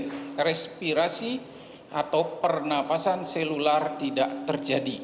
jadi respirasi atau pernafasan selular tidak terjadi